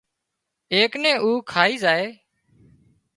ايڪ نين اُو کائي زائي